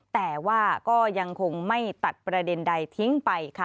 แต่ว่าก็ยังคงไม่ตัดประเด็นใดทิ้งไปค่ะ